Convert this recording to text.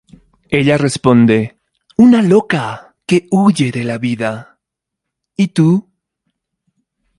Ella responde:... Una loca que huye de la vida, ¿y tú?...